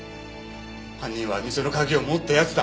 犯人は店の鍵を持った奴だ。